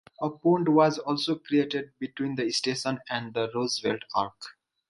A pond was also created between the station and the Roosevelt Arch.